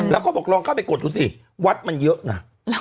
แล้วก็บอกลองเข้าไปกดดูสิวัดมันเยอะนะ